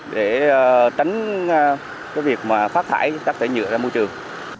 để tránh cái việc mà phát thải rác thải nhựa ra môi trường